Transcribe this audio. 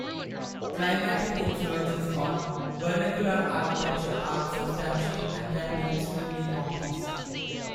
Climatic influences on vernacular architecture are substantial and can be extremely complex.